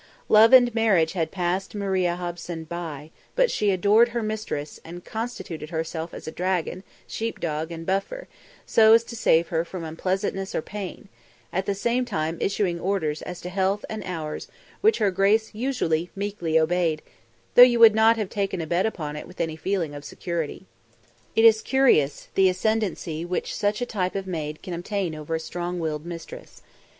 Love and marriage had passed Maria Hobson by, but she adored her mistress and constituted herself as dragon, sheep dog and buffer, so as to save her from unpleasantness or pain; at the same time issuing orders as to health and hours which her grace usually meekly obeyed though you would not have taken a bet upon it with any feeling of security. It is curious, the ascendancy which such a type of maid can obtain over a strong willed mistress.